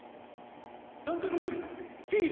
・ドントルックフィール！